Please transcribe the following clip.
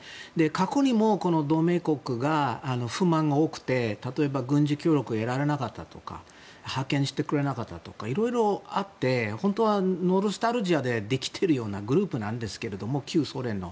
過去にもこの同盟国が不満が多くて例えば軍事協力が得られなかったとか派遣してくれなかったとか色々あって本当はノスタルジアでできているようなグループなんですが、旧ソ連の。